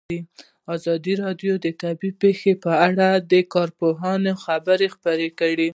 ازادي راډیو د طبیعي پېښې په اړه د کارپوهانو خبرې خپرې کړي.